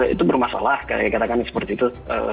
itu bermasalah katakan seperti itu